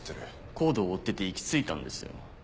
ＣＯＤＥを追ってて行き着いたんですよ。